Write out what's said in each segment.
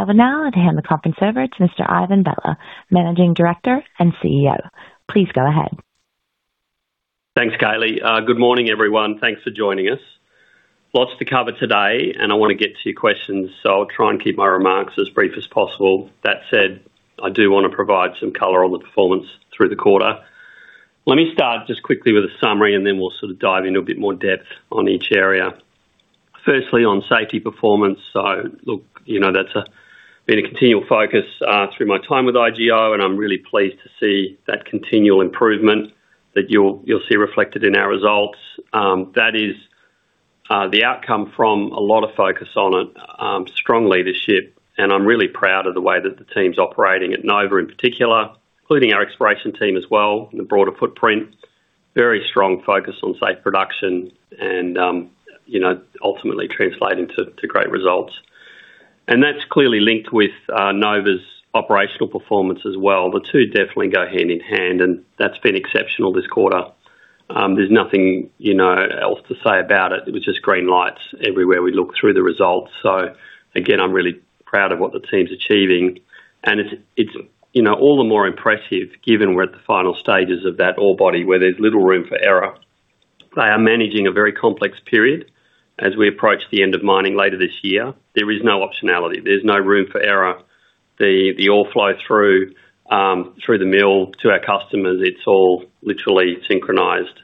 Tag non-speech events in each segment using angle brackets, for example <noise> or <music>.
I will now hand the conference over to Mr. Ivan Vella, Managing Director and CEO. Please go ahead. Thanks, Kaylee. Good morning, everyone. Thanks for joining us. Lots to cover today, and I want to get to your questions, so I'll try and keep my remarks as brief as possible. That said, I do want to provide some color on the performance through the quarter. Let me start just quickly with a summary, and then we'll sort of dive into a bit more depth on each area. Firstly, on safety performance. Look, that's been a continual focus through my time with IGO, and I'm really pleased to see that continual improvement that you'll see reflected in our results. That is the outcome from a lot of focus on it, strong leadership, and I'm really proud of the way that the team's operating at Nova in particular, including our exploration team as well and the broader footprint. Very strong focus on safe production and ultimately translating to great results. That's clearly linked with Nova's operational performance as well. The two definitely go hand in hand, and that's been exceptional this quarter. There's nothing else to say about it. It was just green lights everywhere we look through the results. Again, I'm really proud of what the team's achieving, and it's all the more impressive given we're at the final stages of that ore body, where there's little room for error. They are managing a very complex period as we approach the end of mining later this year. There is no optionality. There's no room for error. The ore flow through, through the mill to our customers, it's all literally synchronized.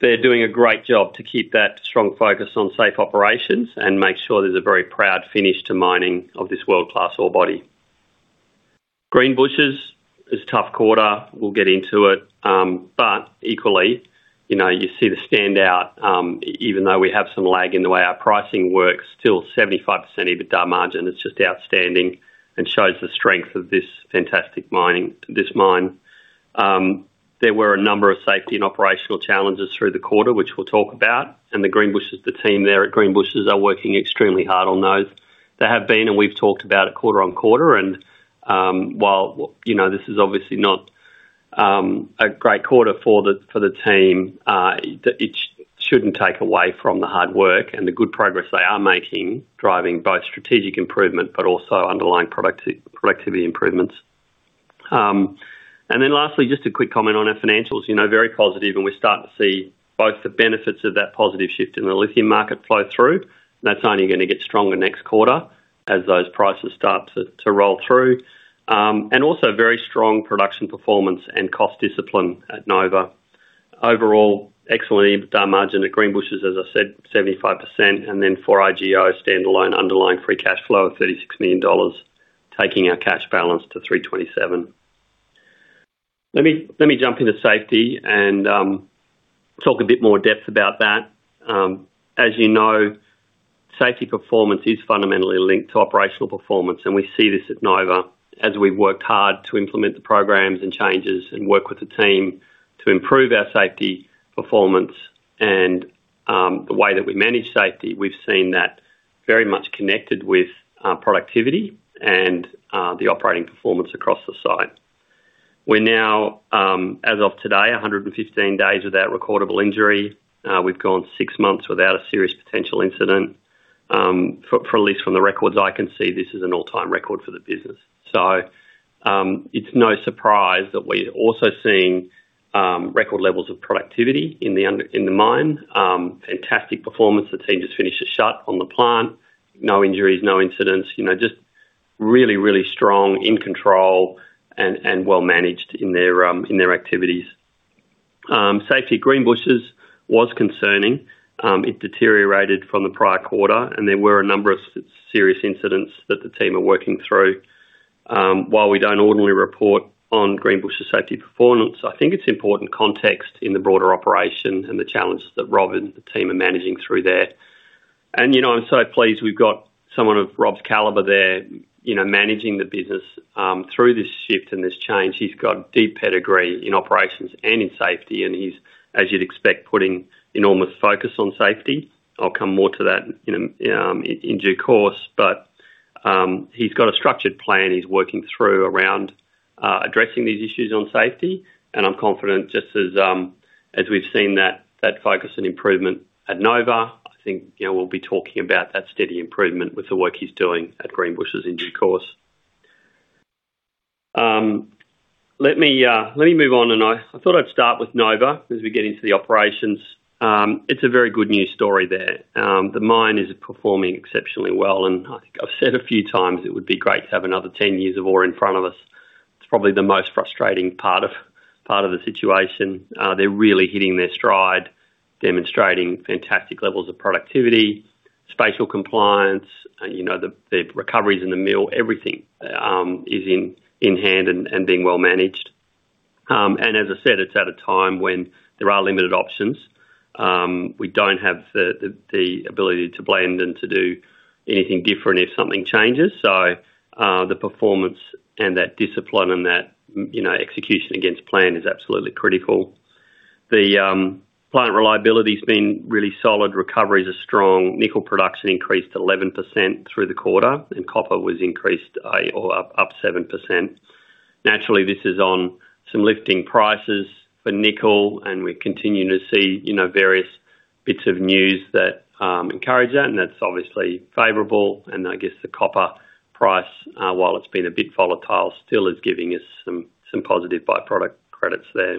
They're doing a great job to keep that strong focus on safe operations and make sure there's a very proud finish to mining of this world-class ore body. Greenbushes is a tough quarter. We'll get into it. Equally, you see the standout, even though we have some lag in the way our pricing works, still 75% EBITDA margin is just outstanding and shows the strength of this fantastic mine, this mine. There were a number of safety and operational challenges through the quarter, which we'll talk about, and the team there at Greenbushes are working extremely hard on those. They have been, and we've talked about it quarter-on-quarter. While this is obviously not a great quarter for the team, it shouldn't take away from the hard work and the good progress they are making, driving both strategic improvement but also underlying productivity improvements. Then lastly, just a quick comment on our financials. Very positive, and we're starting to see both the benefits of that positive shift in the lithium market flow through. That's only going to get stronger next quarter as those prices start to roll through. And also very strong production performance and cost discipline at Nova. Overall, excellent EBITDA margin at Greenbushes, as I said, 75%. Then for IGO standalone, underlying free cash flow of 36 million dollars, taking our cash balance to 327 million. Let me jump into safety and talk a bit more depth about that. As you know, safety performance is fundamentally linked to operational performance, and we see this at Nova as we've worked hard to implement the programs and changes and work with the team to improve our safety performance and the way that we manage safety. We've seen that very much connected with productivity and the operating performance across the site. We're now, as of today, 115 days without recordable injury. We've gone six months without a serious potential incident. For at least from the records I can see, this is an all-time record for the business. It's no surprise that we're also seeing record levels of productivity in the mine. Fantastic performance. The team just finished a shut on the plant. No injuries, no incidents. Just really, really strong, in control, and well-managed in their activities. Safety at Greenbushes was concerning. It deteriorated from the prior quarter, and there were a number of serious incidents that the team are working through. While we don't ordinarily report on Greenbushes' safety performance, I think it's important context in the broader operation and the challenges that Rob and the team are managing through there. I'm so pleased we've got someone of Rob's caliber there managing the business through this shift and this change. He's got deep pedigree in operations and in safety, and he's, as you'd expect, putting enormous focus on safety. I'll come more to that in due course. He's got a structured plan he's working through around addressing these issues on safety, and I'm confident, just as we've seen that focus and improvement at Nova, I think we'll be talking about that steady improvement with the work he's doing at Greenbushes in due course. Let me move on. I thought I'd start with Nova as we get into the operations. It's a very good news story there. The mine is performing exceptionally well, and I think I've said a few times it would be great to have another ten years of ore in front of us. It's probably the most frustrating part of the situation. They're really hitting their stride, demonstrating fantastic levels of productivity, spatial compliance, the recoveries in the mill. Everything is in hand and being well-managed. As I said, it's at a time when there are limited options. We don't have the ability to blend and to do anything different if something changes. The performance and that discipline and that execution against plan is absolutely critical. The plant reliability's been really solid. Recoveries are strong. Nickel production increased 11% through the quarter, and copper was increased all up 7%. Naturally, this is on some lifting prices for nickel, and we're continuing to see various bits of news that encourage that, and that's obviously favorable. I guess the copper price, while it's been a bit volatile, still is giving us some positive by-product credits there.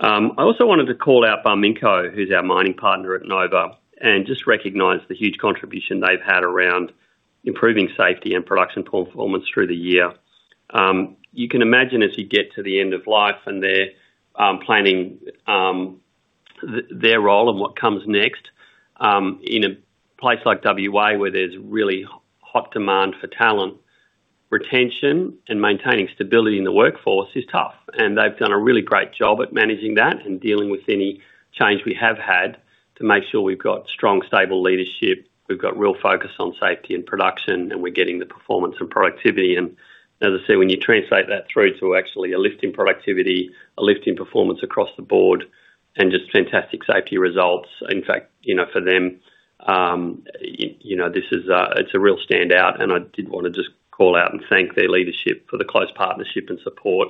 I also wanted to call out Barminco, who's our mining partner at Nova, and just recognize the huge contribution they've had around improving safety and production performance through the year. You can imagine as you get to the end of life, and they're planning their role and what comes next, in a place like WA, where there's really hot demand for talent, retention and maintaining stability in the workforce is tough. They've done a really great job at managing that and dealing with any change we have had to make sure we've got strong, stable leadership, we've got real focus on safety and production, and we're getting the performance and productivity. As I say, when you translate that through to actually a lift in productivity, a lift in performance across the board and just fantastic safety results. In fact, for them, it's a real standout, and I did want to just call out and thank their leadership for the close partnership and support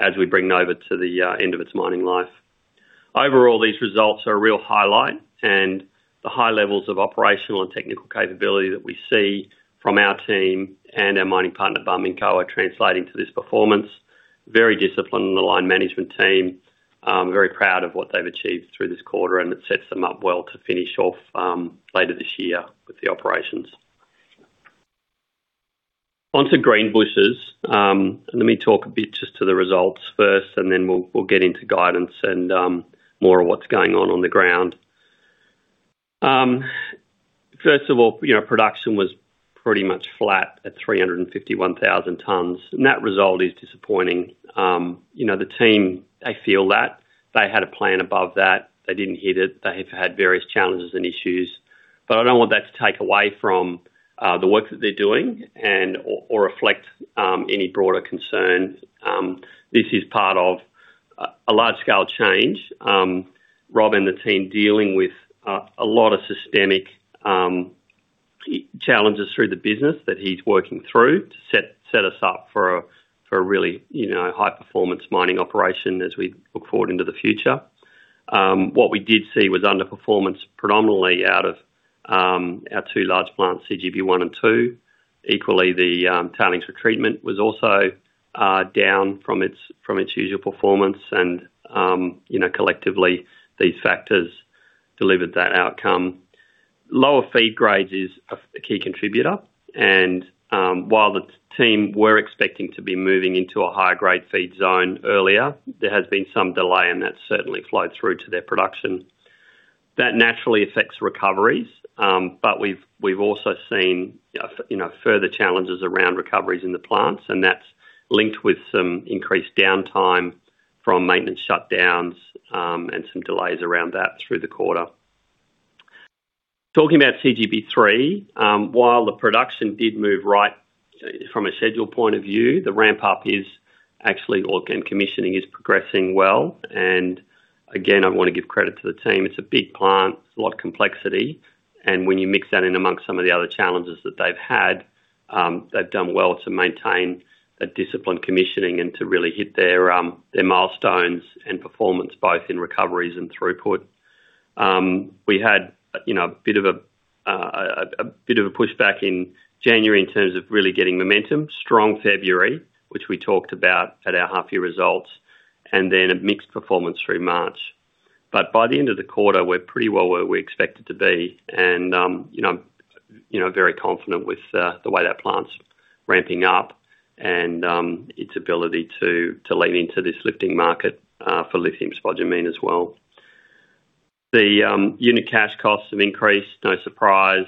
as we bring Nova to the end of its mining life. Overall, these results are a real highlight, and the high levels of operational and technical capability that we see from our team and our mining partner, Barminco, are translating to this performance. Very disciplined line management team, very proud of what they've achieved through this quarter, and it sets them up well to finish off later this year with the operations. On to Greenbushes. Let me talk a bit just to the results first, and then we'll get into guidance and more of what's going on on the ground. First of all, production was pretty much flat at 351,000 tonnes, and that result is disappointing. The team, they feel that. They had a plan above that. They didn't hit it. They have had various challenges and issues. I don't want that to take away from the work that they're doing and/or reflect any broader concerns. This is part of a large-scale change. Rob and the team dealing with a lot of systemic challenges through the business that he's working through to set us up for a really high-performance mining operation as we look forward into the future. What we did see was underperformance predominantly out of our two large plants, CGP1 and CGP2. Equally, the tailings retreatment was also down from its usual performance, and collectively, these factors delivered that outcome. Lower feed grades is a key contributor, and while the team were expecting to be moving into a higher grade feed zone earlier, there has been some delay, and that certainly flowed through to their production. That naturally affects recoveries, but we've also seen further challenges around recoveries in the plants, and that's linked with some increased downtime from maintenance shutdowns and some delays around that through the quarter. Talking about CGP3, while the production did move right from a schedule point of view, the ramp up is actually, or again, commissioning is progressing well. Again, I want to give credit to the team. It's a big plant. It's a lot of complexity. When you mix that in amongst some of the other challenges that they've had, they've done well to maintain a disciplined commissioning and to really hit their milestones and performance, both in recoveries and throughput. We had a bit of a pushback in January in terms of really getting momentum. Strong February, which we talked about at our half-year results, and then a mixed performance through March. By the end of the quarter, we're pretty well where we expected to be, and I'm very confident with the way that plant's ramping up and its ability to lean into this lifting market for lithium spodumene as well. The unit cash costs have increased. No surprise.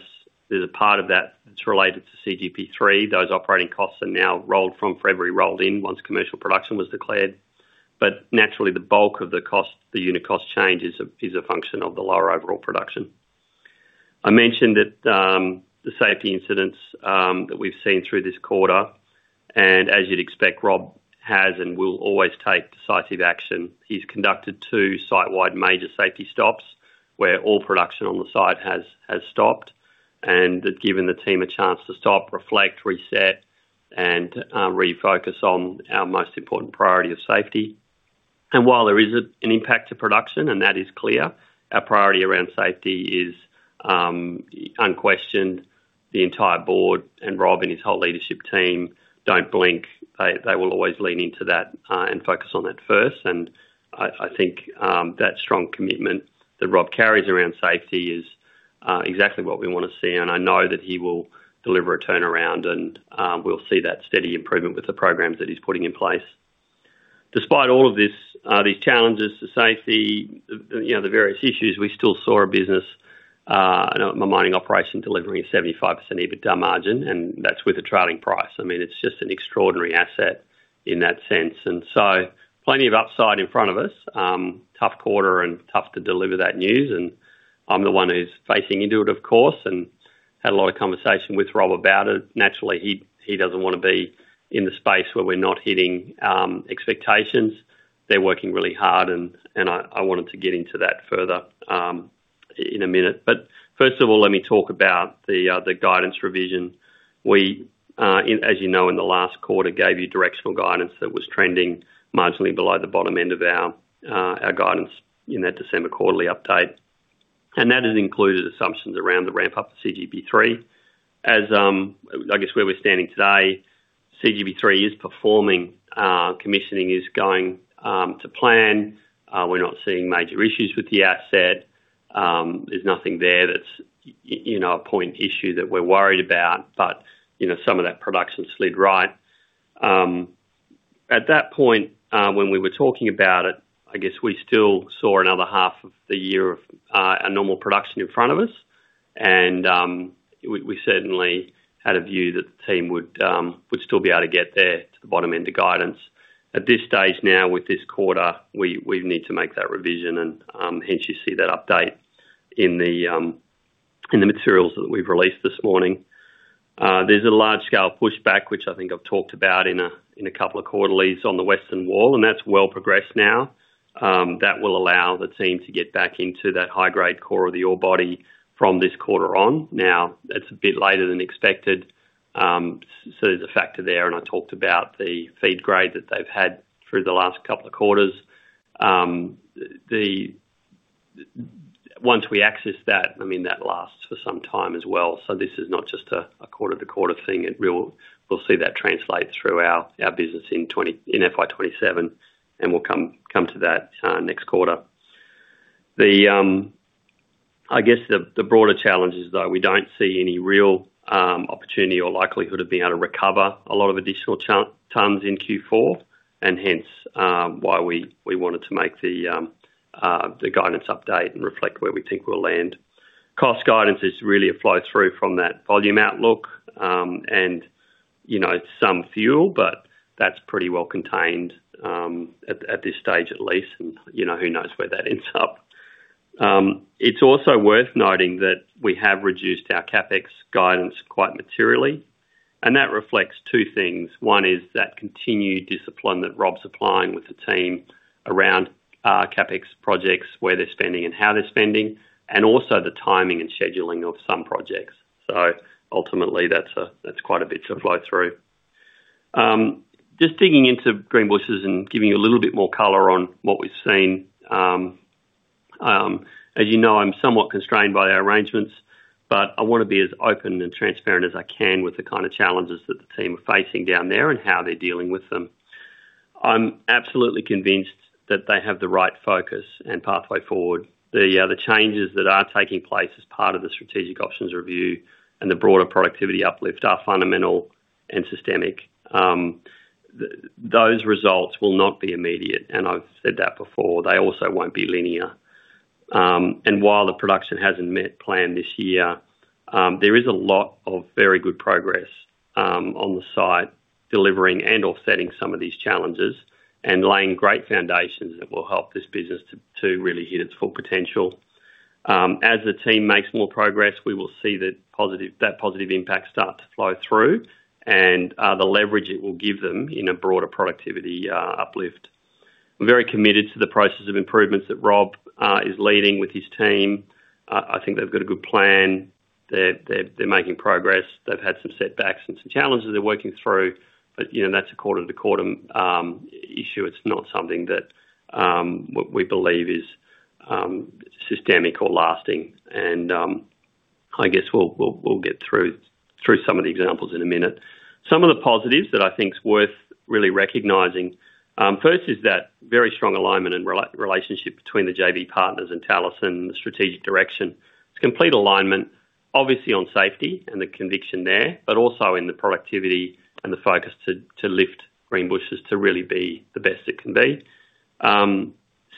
There's a part of that that's related to CGP3. Those operating costs are now from February rolled in once commercial production was declared. Naturally, the bulk of the unit cost change is a function of the lower overall production. I mentioned the safety incidents that we've seen through this quarter, and as you'd expect, Rob has and will always take decisive action. He's conducted two site-wide major safety stops where all production on the site has stopped and has given the team a chance to stop, reflect, reset, and refocus on our most important priority of safety. While there is an impact to production, and that is clear, our priority around safety is unquestioned. The entire board and Rob and his whole leadership team don't blink. They will always lean into that and focus on that first. I think that strong commitment that Rob carries around safety is exactly what we want to see, and I know that he will deliver a turnaround, and we'll see that steady improvement with the programs that he's putting in place. Despite all of these challenges to safety, the various issues, we still saw a business, a mining operation, delivering a 75% EBITDA margin, and that's with a trailing price. It's just an extraordinary asset in that sense. Plenty of upside in front of us. Tough quarter and tough to deliver that news, and I'm the one who's facing into it, of course, and had a lot of conversation with Rob about it. Naturally, he doesn't want to be in the space where we're not hitting expectations. They're working really hard, and I wanted to get into that further in a minute. First of all, let me talk about the guidance revision. We, as you know, in the last quarter, gave you directional guidance that was trending marginally below the bottom end of our guidance in that December quarterly update. That has included assumptions around the ramp-up to CGP3. As, I guess, where we're standing today, CGP3 is performing. Commissioning is going to plan. We're not seeing major issues with the asset. There's nothing there that's a point issue that we're worried about, but some of that production slid right. At that point, when we were talking about it, I guess we still saw another half of the year of a normal production in front of us. We certainly had a view that the team would still be able to get there to the bottom end of guidance. At this stage now with this quarter, we need to make that revision and, hence you see that update in the materials that we've released this morning. There's a large-scale pushback, which I think I've talked about in a couple of quarterlies on the western wall, and that's well progressed now. That will allow the team to get back into that high-grade core of the ore body from this quarter on. Now, that's a bit later than expected, so there's a factor there, and I talked about the feed grade that they've had through the last couple of quarters. Once we access that, I mean, that lasts for some time as well. This is not just a quarter-to-quarter thing. We'll see that translate through our business in FY 2027, and we'll come to that next quarter. I guess the broader challenge is, though, we don't see any real opportunity or likelihood of being able to recover a lot of additional tons in Q4, and hence, why we wanted to make the guidance update and reflect where we think we'll land. Cost guidance is really a flow-through from that volume outlook, and some fuel, but that's pretty well-contained, at this stage at least, and who knows where that ends up. It's also worth noting that we have reduced our CapEx guidance quite materially, and that reflects two things. One is that continued discipline that Rob's applying with the team around CapEx projects, where they're spending and how they're spending, and also the timing and scheduling of some projects. Ultimately that's quite a bit to flow through. Just digging into Greenbushes and giving you a little bit more color on what we've seen. As you know, I'm somewhat constrained by our arrangements, but I want to be as open and transparent as I can with the kind of challenges that the team are facing down there and how they're dealing with them. I'm absolutely convinced that they have the right focus and pathway forward. The changes that are taking place as part of the strategic options review and the broader productivity uplift are fundamental and systemic. Those results will not be immediate, and I've said that before. They also won't be linear. While the production hasn't met plan this year, there is a lot of very good progress on the site delivering and offsetting some of these challenges and laying great foundations that will help this business to really hit its full potential. As the team makes more progress, we will see that positive impact start to flow through and the leverage it will give them in a broader productivity uplift. I'm very committed to the process of improvements that Rob is leading with his team. I think they've got a good plan. They're making progress. They've had some setbacks and some challenges they're working through. But that's a quarter-to-quarter issue, it's not something that, what we believe is systemic or lasting. I guess we'll get through some of the examples in a minute. Some of the positives that I think is worth really recognizing. First is that very strong alignment and relationship between the JV partners and Talison strategic direction. It's complete alignment, obviously on safety and the conviction there, but also in the productivity and the focus to lift Greenbushes to really be the best it can be.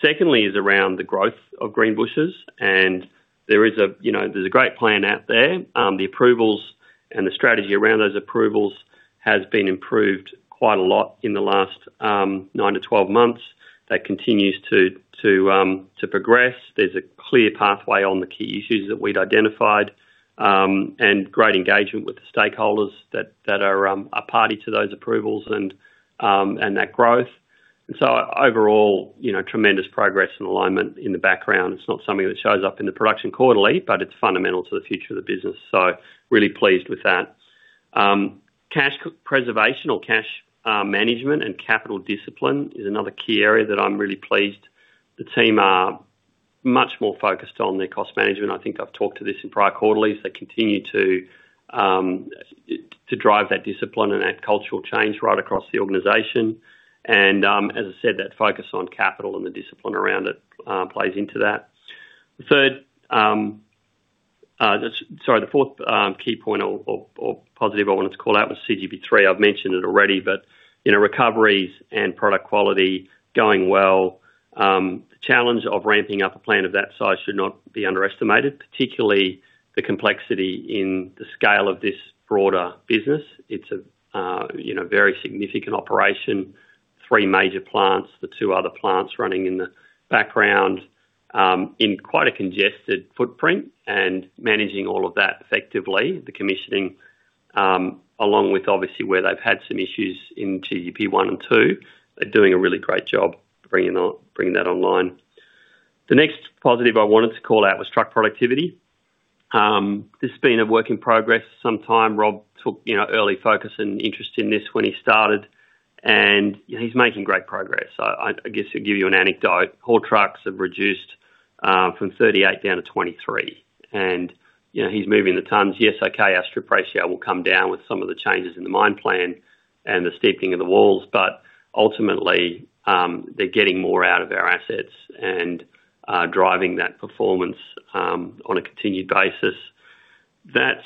Secondly is around the growth of Greenbushes, and there's a great plan out there. The approvals and the strategy around those approvals has been improved quite a lot in the last nine to 12 months. That continues to progress. There's a clear pathway on the key issues that we'd identified, and great engagement with the stakeholders that are party to those approvals and that growth. Overall, tremendous progress and alignment in the background. It's not something that shows up in the production quarterly, but it's fundamental to the future of the business, so, really pleased with that. Cash preservation or cash management and capital discipline is another key area that I'm really pleased. The team are much more focused on their cost management. I think I've talked to this in prior quarterlies. They continue to drive that discipline and that cultural change right across the organization. As I said, that focus on capital and the discipline around it plays into that. The fourth key point or positive I wanted to call out was CGP3. I've mentioned it already, but recoveries and product quality going well. The challenge of ramping up a plant of that size should not be underestimated, particularly the complexity in the scale of this broader business. It's a very significant operation, three major plants, the two other plants running in the background, in quite a congested footprint and managing all of that effectively, the commissioning, along with obviously where they've had some issues in CGP1 and CGP2. They're doing a really great job bringing that online. The next positive I wanted to call out was truck productivity. This has been a work in progress some time. Rob took early focus and interest in this when he started, and he's making great progress. I guess to give you an anecdote, haul trucks have reduced from 38 down to 23. He's moving the tons. Yes, okay, our strip ratio will come down with some of the changes in the mine plan and the steepening of the walls, but ultimately, they're getting more out of our assets and are driving that performance on a continued basis. That's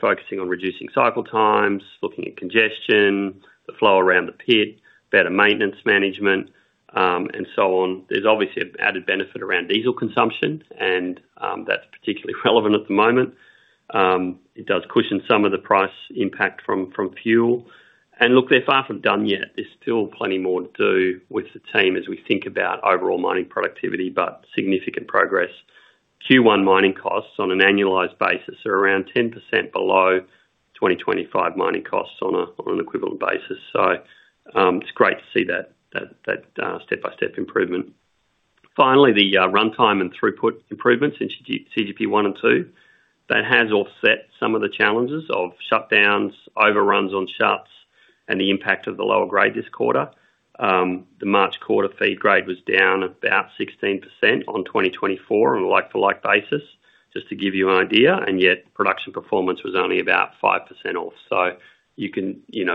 focusing on reducing cycle times, looking at congestion, the flow around the pit, better maintenance management, and so on. There's obviously an added benefit around diesel consumption, and that's particularly relevant at the moment. It does cushion some of the price impact from fuel. Look, they're far from done yet. There's still plenty more to do with the team as we think about overall mining productivity, but significant progress. Q1 mining costs on an annualized basis are around 10% below 2025 mining costs on an equivalent basis. It's great to see that step-by-step improvement. Finally, the runtime and throughput improvements in CGP1 and CGP2 that has offset some of the challenges of shutdowns, overruns on shuts, and the impact of the lower grade this quarter. The March quarter feed grade was down about 16% on 2024 on a like-for-like basis, just to give you an idea, and yet production performance was only about 5% off.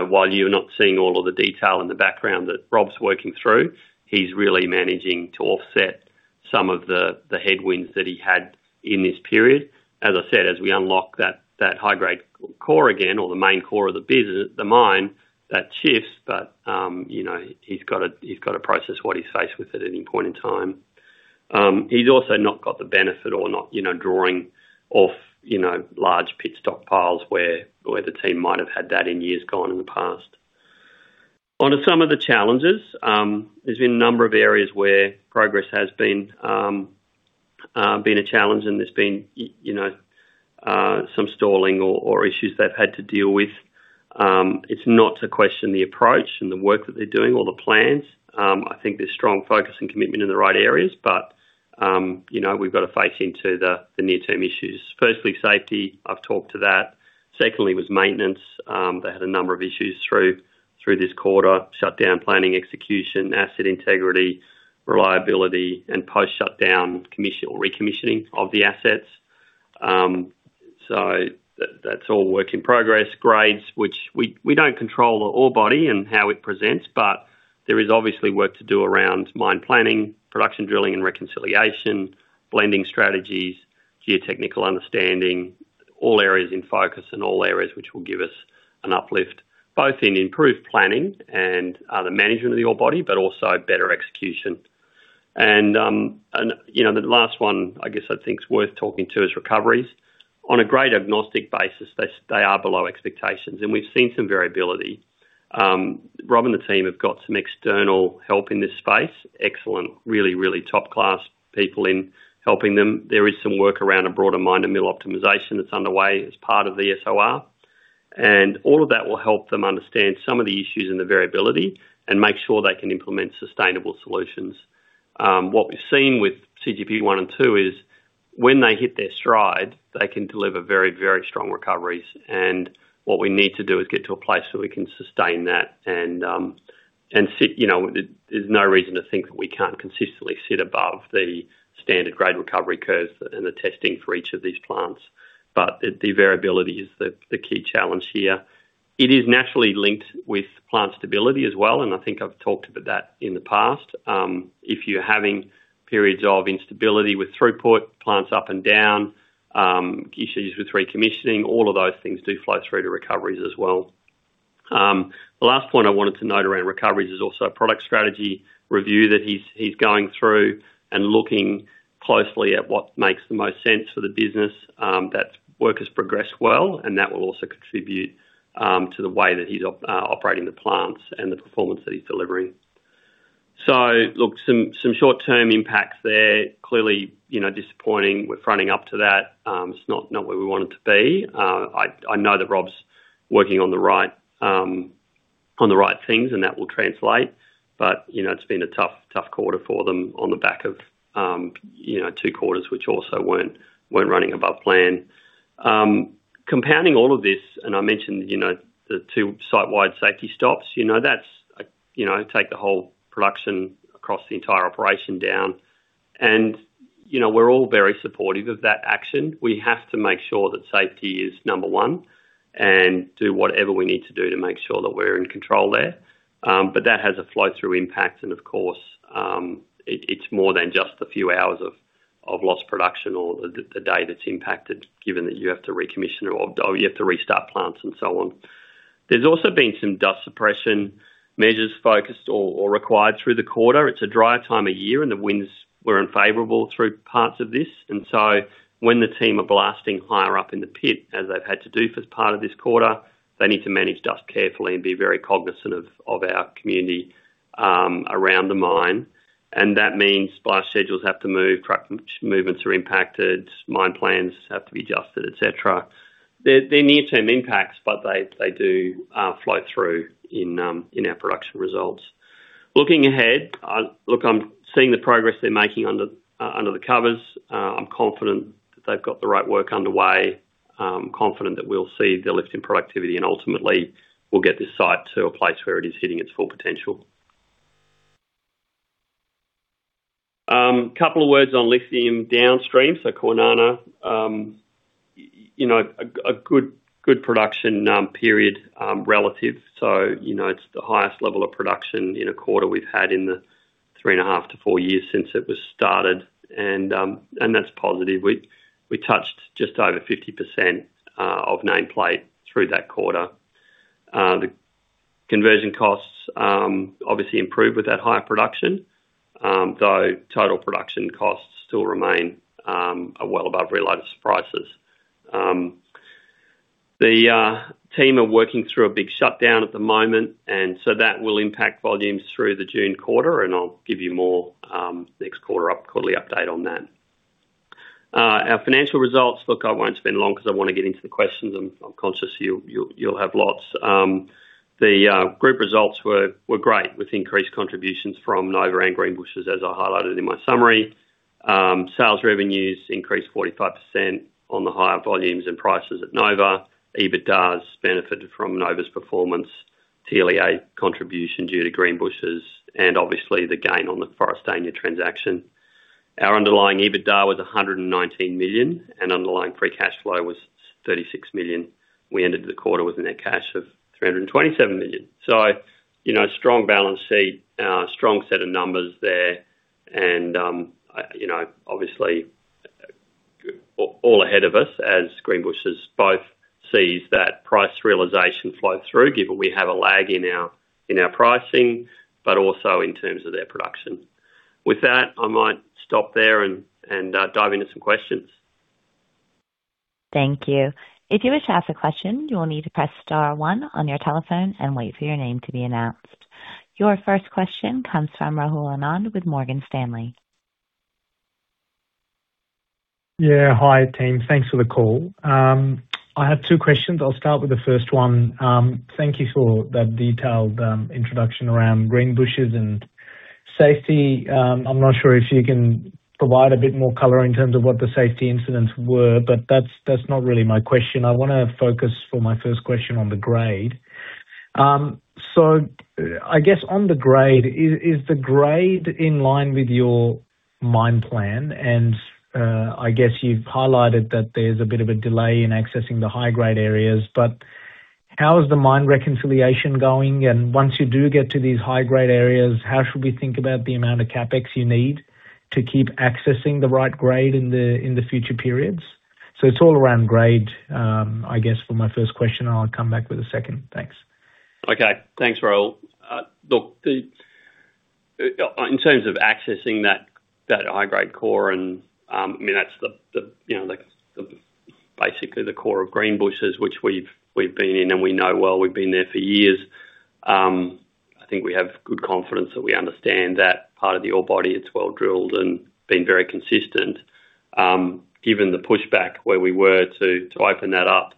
While you're not seeing all of the detail in the background that Rob's working through, he's really managing to offset some of the headwinds that he had in this period. As I said, as we unlock that high-grade core again or the main core of the mine, that shifts, but he's got to process what he's faced with at any point in time. He's also not got the benefit of drawing off large pit stockpiles where the team might have had that in years gone in the past. On to some of the challenges. There's been a number of areas where progress has been a bit of a challenge and there's been some stalling or issues they've had to deal with. It's not to question the approach and the work that they're doing or the plans. I think there's strong focus and commitment in the right areas, but we've got to face into the near-term issues. Firstly, safety. I've talked to that. Secondly was maintenance. They had a number of issues through this quarter. Shutdown planning, execution, asset integrity, reliability, and post-shutdown commissioning or recommissioning of the assets. That's all work in progress. Grades, which we don't control the ore body and how it presents, but there is obviously work to do around mine planning, production drilling and reconciliation, blending strategies, geotechnical understanding, all areas in focus and all areas which will give us an uplift, both in improved planning and the management of the ore body, but also better execution. The last one I guess that's worth talking to is recoveries. On a grade agnostic basis, they are below expectations, and we've seen some variability. Rob and the team have got some external help in this space. Excellent, really top-class people in helping them. There is some work around a broader mine and mill optimization that's underway as part of the SOR. All of that will help them understand some of the issues and the variability and make sure they can implement sustainable solutions. What we've seen with CGP1 and CGP2 is when they hit their stride, they can deliver very, very strong recoveries. What we need to do is get to a place where we can sustain that and sit. There's no reason to think that we can't consistently sit above the standard grade recovery curves and the testing for each of these plants. The variability is the key challenge here. It is naturally linked with plant stability as well, and I think I've talked about that in the past. If you're having periods of instability with throughput, plants up and down, issues with recommissioning, all of those things do flow through to recoveries as well. The last point I wanted to note around recoveries is also a product strategy review that he's going through and looking closely at what makes the most sense for the business. That work has progressed well, and that will also contribute to the way that he's operating the plants and the performance that he's delivering. Look, some short-term impacts there. Clearly disappointing. We're fronting up to that. It's not where we want it to be. I know that Rob's working on the right things, and that will translate. It's been a tough quarter for them on the back of two quarters which also weren't running above plan. Compounding all of this, and I mentioned the two site-wide safety stops. That takes the whole production across the entire operation down. We're all very supportive of that action. We have to make sure that safety is number one and do whatever we need to do to make sure that we're in control there. That has a flow-through impact, and of course, it's more than just a few hours of lost production or the day that's impacted, given that you have to recommission or you have to restart plants and so on. There's also been some dust suppression measures focused or required through the quarter. It's a drier time of year, and the winds were unfavorable through parts of this. When the team are blasting higher up in the pit, as they've had to do for part of this quarter, they need to manage dust carefully and be very cognizant of our community around the mine. That means supply schedules have to move, truck movements are impacted, mine plans have to be adjusted, et cetera. They're near-term impacts, but they do flow through in our production results. Looking ahead, look, I'm seeing the progress they're making under the covers. I'm confident that they've got the right work underway. I'm confident that we'll see the lift in productivity, and ultimately, we'll get this site to a place where it is hitting its full potential. Couple of words on lithium downstream, so Kwinana, a good production period relative. It's the highest level of production in a quarter we've had in the three and a half to four years since it was started. That's positive. We touched just over 50% of nameplate through that quarter. The conversion costs obviously improved with that higher production, though total production costs still remain well above realized prices. The team are working through a big shutdown at the moment, and so that will impact volumes through the June quarter, and I'll give you more next quarterly update on that. Our financial results, look, I won't spend long because I want to get into the questions. I'm conscious you'll have lots. The group results were great with increased contributions from Nova and Greenbushes, as I highlighted in my summary. Sales revenues increased 45% on the higher volumes and prices at Nova. EBITDA benefited from Nova's performance, TLEA contribution due to Greenbushes, and obviously the gain on the Forrestania transaction. Our underlying EBITDA was 119 million, and underlying free cash flow was 36 million. We ended the quarter with a net cash of 327 million. Strong balance sheet, strong set of numbers there, and obviously, all ahead of us as Greenbushes both sees that price realization flow through, given we have a lag in our pricing, but also in terms of their production. With that, I might stop there and dive into some questions. Thank you. If you wish to ask a question, you will need to press star one on your telephone and wait for your name to be announced. Your first question comes from Rahul Anand with Morgan Stanley. Yeah. Hi, team. Thanks for the call. I have two questions. I'll start with the first one. Thank you for that detailed introduction around Greenbushes and safety. I'm not sure if you can provide a bit more color in terms of what the safety incidents were, but that's not really my question. I want to focus for my first question on the grade. I guess on the grade, is the grade in line with your mine plan? And, I guess you've highlighted that there's a bit of a delay in accessing the high-grade areas, but how is the mine reconciliation going? And once you do get to these high-grade areas, how should we think about the amount of CapEx you need to keep accessing the right grade in the future periods? It's all around grade, I guess, for my first question, and I'll come back with a second. Thanks. Okay. Thanks, Rahul. Look, in terms of accessing that high-grade core, that's basically the core of Greenbushes, which we've been in and we know well. We've been there for years. I think we have good confidence that we understand that part of the ore body. It's well-drilled and been very consistent. Given the pushback where we were to open that up,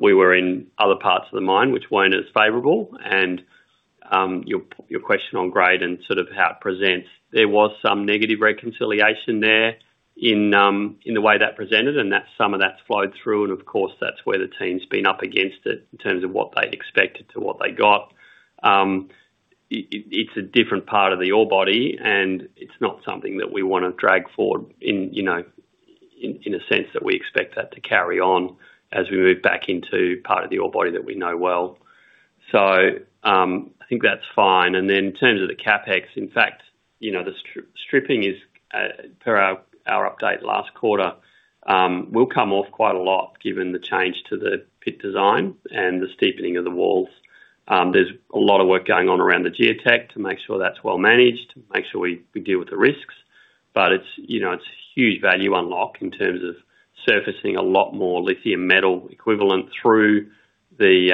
we were in other parts of the mine which weren't as favorable, and your question on grade and sort of how it presents. There was some negative reconciliation there in the way that presented, and some of that's flowed through, and of course, that's where the team's been up against it in terms of what they'd expected to what they got. It's a different part of the ore body, and it's not something that we want to drag forward in a sense that we expect that to carry on as we move back into part of the ore body that we know well. I think that's fine. In terms of the CapEx, in fact, the stripping is, per our update last quarter, will come off quite a lot given the change to the pit design and the steepening of the walls. There's a lot of work going on around the geotech to make sure that's well-managed, make sure we deal with the risks. It's huge value unlock in terms of surfacing a lot more Lithium Metal Equivalent through the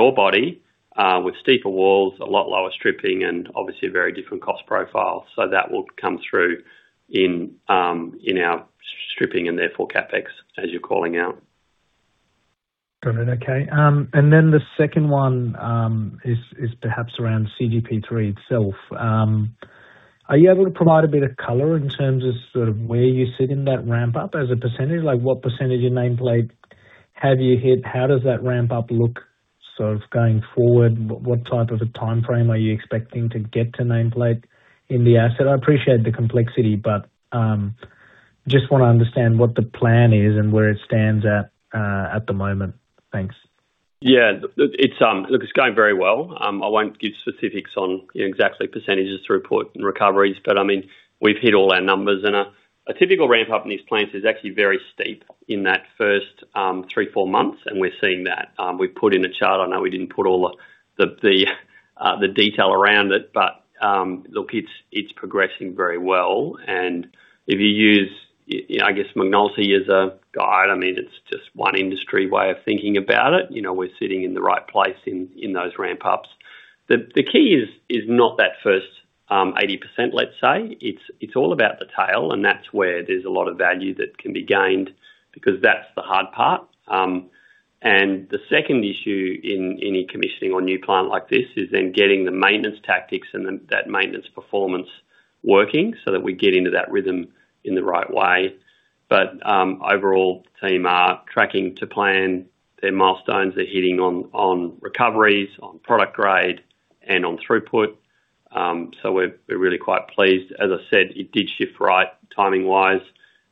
ore body with steeper walls, a lot lower stripping, and obviously a very different cost profile. That will come through in our stripping and therefore CapEx as you're calling out. Got it. Okay. The second one is perhaps around CGP3 itself. Are you able to provide a bit of color in terms of sort of where you sit in that ramp-up as a percentage? Like what percentage of nameplate have you hit? How does that ramp-up look sort of going forward? What type of a timeframe are you expecting to get to nameplate in the asset? I appreciate the complexity, but just want to understand what the plan is and where it stands at the moment. Thanks. Yeah. Look, it's going very well. I won't give specifics on exactly percentages to report and recoveries, but we've hit all our numbers. A typical ramp-up in these plants is actually very steep in that first three, four months, and we're seeing that. We've put in a chart. I know we didn't put all the detail around it, but look, it's progressing very well. If you use, I guess [Magnitsky] as a guide, it's just one industry way of thinking about it. We're sitting in the right place in those ramp-ups. The key is not that first 80%, let's say. It's all about the tail, and that's where there's a lot of value that can be gained because that's the hard part. The second issue in any commissioning or new plant like this is then getting the maintenance tactics and that maintenance performance working so that we get into that rhythm in the right way. Overall, the team are tracking to plan. Their milestones are hitting on recoveries, on product grade, and on throughput. We're really quite pleased. As I said, it did shift right timing-wise,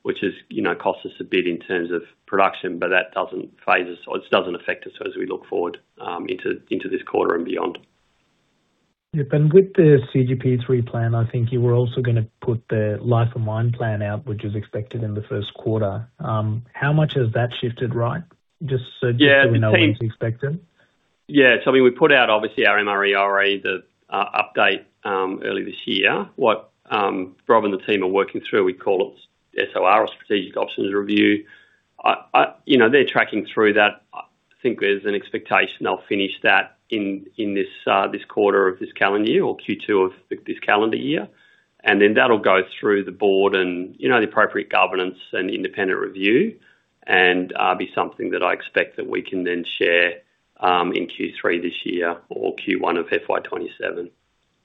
which has cost us a bit in terms of production, but that doesn't faze us or it doesn't affect us as we look forward into this quarter and beyond. Yep. With the CGP3 plan, I think you were also going to put the life of mine plan out, which is expected in the first quarter. How much has that shifted right, just so we know what to expect then? Yeah. We put out, obviously, our MRE, the update, earlier this year. What Rob and the team are working through, we call it SOR, or strategic options review. They're tracking through that. I think there's an expectation they'll finish that in this quarter of this calendar year or Q2 of this calendar year. Then that'll go through the board and the appropriate governance and independent review and be something that I expect that we can then share, in Q3 this year or Q1 of FY 2027.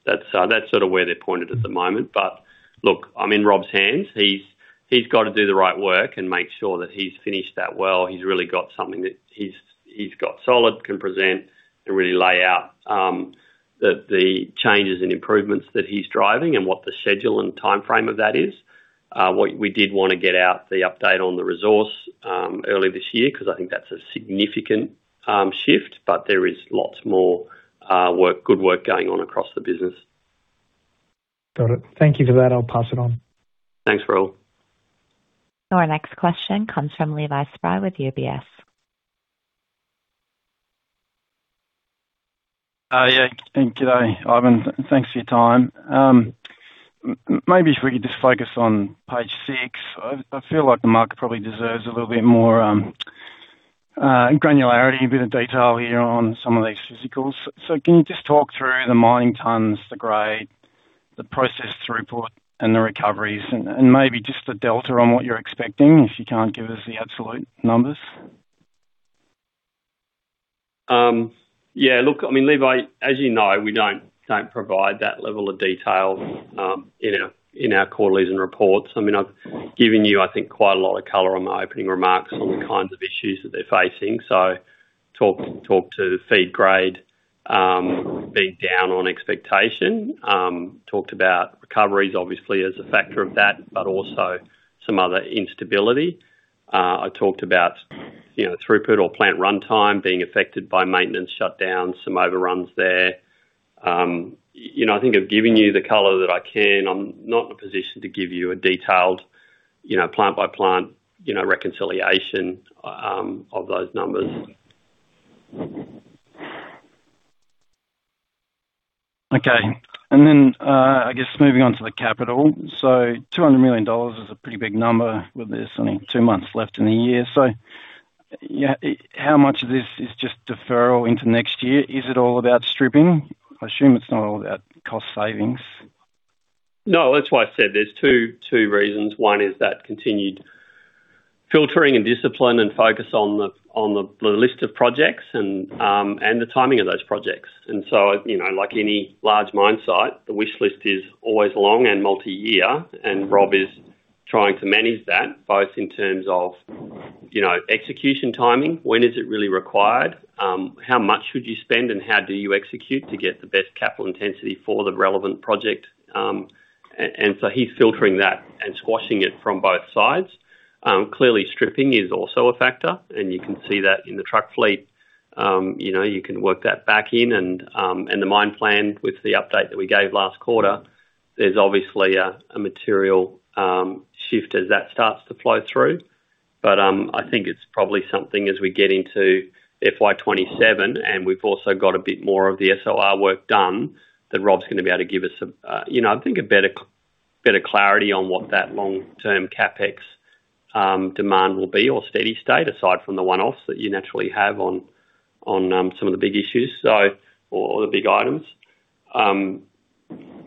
That's sort of where they're pointed at the moment. Look, I'm in Rob's hands. He's got to do the right work and make sure that he's finished that well, he's really got something that he's got solid, can present, and really lay out the changes and improvements that he's driving and what the schedule and timeframe of that is. We did want to get out the update on the resource earlier this year, because I think that's a significant shift. There is lots more good work going on across the business. Got it. Thank you for that. I'll pass it on. Thanks, Rahul. Our next question comes from Levi Spry with UBS. Yeah. Good day, Ivan. Thanks for your time. Maybe if we could just focus on page six. I feel like the market probably deserves a little bit more granularity, a bit of detail here on some of these physicals. Can you just talk through the mining tons, the grade, the process throughput, and the recoveries, and maybe just the delta on what you're expecting, if you can't give us the absolute numbers? Yeah. Look, Levi, as you know, we don't provide that level of detail in our quarterlies and reports. I've given you, I think, quite a lot of color on my opening remarks on the kinds of issues that they're facing. Talked to feed grade, being down on expectation. Talked about recoveries obviously as a factor of that, but also some other instability. I talked about throughput or plant runtime being affected by maintenance shutdowns, some overruns there. I think I've given you the color that I can. I'm not in a position to give you a detailed plant-by-plant reconciliation of those numbers. Okay. I guess moving on to the capital. 200 million dollars is a pretty big number with there being only two months left in the year. How much of this is just deferral into next year? Is it all about stripping? I assume it's not all about cost savings. No, that's why I said there's two reasons. One is that continued filtering and discipline and focus on the list of projects and the timing of those projects. Like any large mine site, the wish list is always long and multi-year, and Rob is trying to manage that, both in terms of execution timing, when is it really required? How much should you spend, and how do you execute to get the best capital intensity for the relevant project? He's filtering that and squashing it from both sides. Clearly, stripping is also a factor, and you can see that in the truck fleet. You can work that back into the mine plan with the update that we gave last quarter, there's obviously a material shift as that starts to flow through. I think it's probably something as we get into FY 2027, and we've also got a bit more of the SOR work done, that Rob's going to be able to give us, I think a better clarity on what that long-term CapEx demand will be or steady state, aside from the one-offs that you naturally have on some of the big issues or the big items.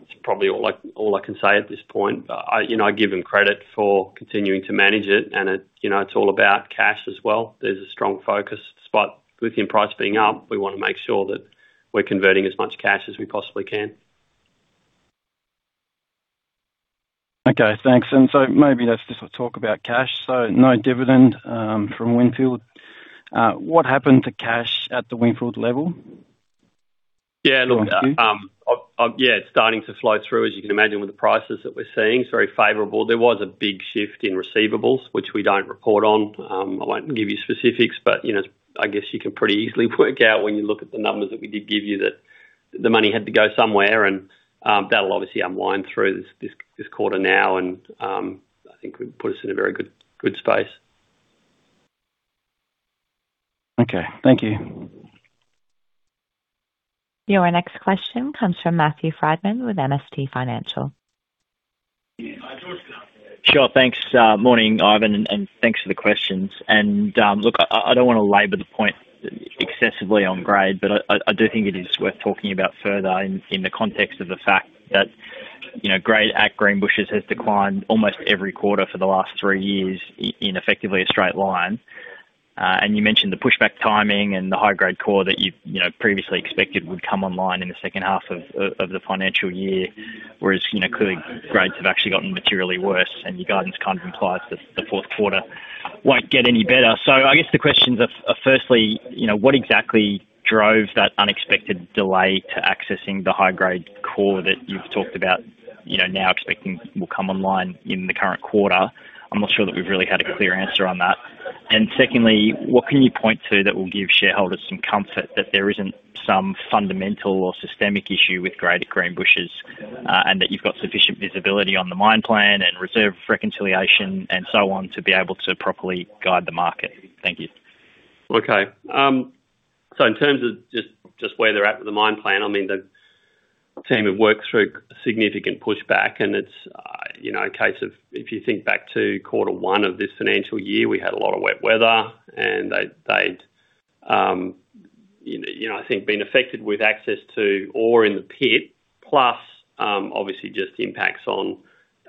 It's probably all I can say at this point, but I give him credit for continuing to manage it, and it's all about cash as well. There's a strong focus, despite lithium price being up, we want to make sure that we're converting as much cash as we possibly can. Okay, thanks. Maybe let's just talk about cash. No dividend from Windfield. What happened to cash at the Windfield level? Yeah. Thank you. Yeah, it's starting to flow through, as you can imagine, with the prices that we're seeing. It's very favorable. There was a big shift in receivables, which we don't report on. I won't give you specifics, but I guess you can pretty easily work out when you look at the numbers that we did give you, that the money had to go somewhere, and that'll obviously unwind through this quarter now, and I think would put us in a very good space. Okay. Thank you. Your next question comes from Matthew Frydman with MST Financial. Sure. Thanks. Morning, Ivan, and thanks for the questions. Look, I don't want to labor the point excessively on grade, but I do think it is worth talking about further in the context of the fact that, grade at Greenbushes has declined almost every quarter for the last three years in effectively a straight line. You mentioned the pushback timing and the high-grade core that you previously expected would come online in the second half of the financial year, whereas clearly grades have actually gotten materially worse, and your guidance kind of implies that the fourth quarter won't get any better. I guess the questions are, firstly, what exactly drove that unexpected delay to accessing the high-grade core that you've talked about now expecting will come online in the current quarter? I'm not sure that we've really had a clear answer on that. Secondly, what can you point to that will give shareholders some comfort that there isn't some fundamental or systemic issue with grade at Greenbushes, and that you've got sufficient visibility on the mine plan and reserve reconciliation, and so on, to be able to properly guide the market? Thank you. Okay. In terms of just where they're at with the mine plan, the team have worked through a significant pushback, and it's a case of, if you think back to quarter one of this financial year, we had a lot of wet weather, and they'd, I think, been affected with access to ore in the pit, plus obviously just the impacts on